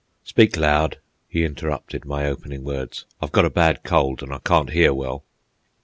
"Speak loud," he interrupted my opening words. "I've got a bad cold, and I can't hear well."